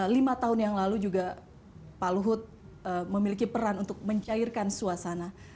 lima tahun yang lalu juga pak luhut memiliki peran untuk mencairkan suasana